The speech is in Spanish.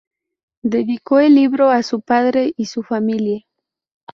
Dedicó el libro a su padre y su familia.